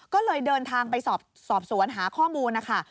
ก็เลยเดินทางไปสอบสวนหาข้อมูลนะคะ